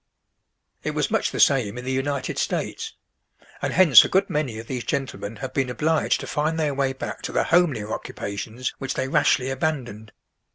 It was much the same in the United States; and hence a good many of these gentlemen have been obliged to find their way back to the homelier occupations which they rashly abandoned.